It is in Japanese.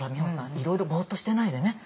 いろいろぼっとしてないでね。